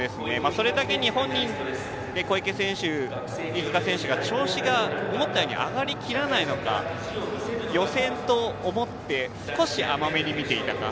それだけに本人小池選手、飯塚選手が調子が思ったより上がりきらなかったのか予選と思って少し甘めに見ていたか。